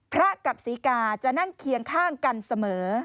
พระกับศรีกาจะนั่งเคียงข้างกันเสมอ